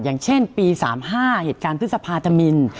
อย่างเช่นปี๓๕เหตุการณ์พฤษภาธมิน